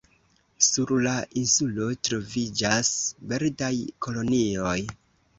Sur la insulo troviĝas birdaj kolonioj.